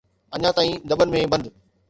اڃا تائين دٻن ۾ بند.